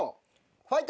ファイト！